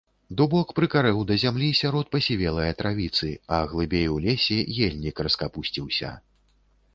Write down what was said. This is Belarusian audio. Дубок прыкарэў да зямлі сярод пасівелае травіцы, а глыбей у лесе ельнік раскапусціўся.